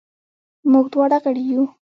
موږ دواړه غړي وو.